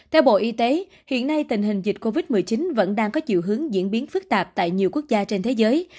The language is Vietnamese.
theo bộ y tế hiện nay tình hình dịch covid một mươi chín vẫn đang có chiều hướng diễn biến phức tạp tại nhiều quốc gia trên thế giới